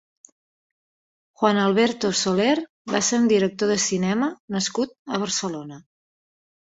Juan Alberto Soler va ser un director de cinema nascut a Barcelona.